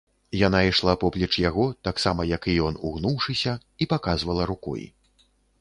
Яна ішла поплеч яго, таксама як і ён, угнуўшыся, і паказвала рукой.